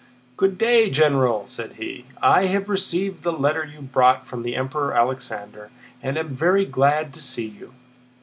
"Good day, General!" said he. "I have received the letter you brought from the Emperor Alexander and am very glad to see you."